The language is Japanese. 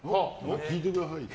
聞いてくださいよ。